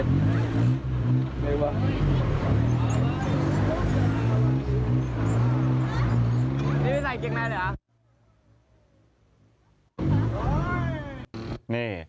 นี่ไหมใส่เกี๊ยงแมนหรือยัง